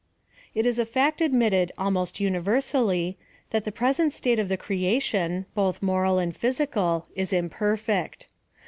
It is a fact admitted almost universally, that the present state of the creation, both moral and phys ical, is imperfect.